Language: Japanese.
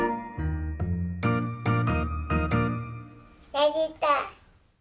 できた！